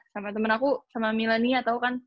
sama temen aku sama milenia tau kan